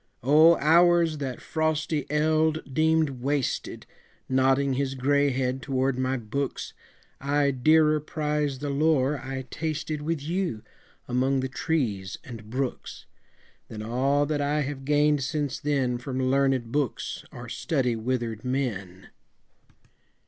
O hours that frosty eld deemed wasted, Nodding his gray head toward my books, I dearer prize the lore I tasted With you, among the trees and brooks, Than all that I have gained since then From learnèd books or study withered men!